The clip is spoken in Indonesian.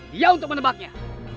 dia untuk menebaknya